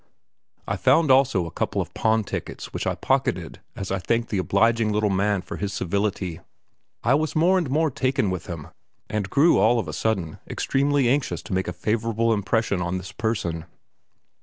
I found also a couple of pawn tickets which I pocketed as I thanked the obliging little man for his civility. I was more and more taken with him, and grew all of a sudden extremely anxious to make a favourable impression on this person.